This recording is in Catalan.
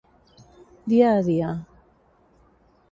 Dia a dia.